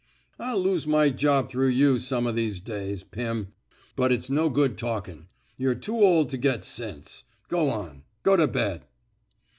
I'll lose my job through you some o' these days. Pirn, but it's no good talkin'. You're too old to get sense. Go on. Go to bed."